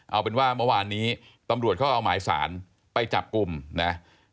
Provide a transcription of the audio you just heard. เอาเป็นว่าเมื่อวานนี้ตำรวจเขาเอาหมายสารไปจับกลุ่มนะ